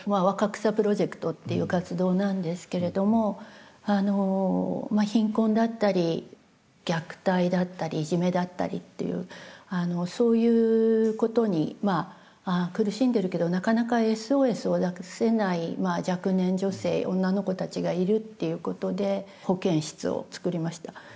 若草プロジェクトっていう活動なんですけれども貧困だったり虐待だったりいじめだったりっていうそういうことに苦しんでるけどなかなかＳＯＳを出せない若年女性女の子たちがいるっていうことで保健室をつくりました。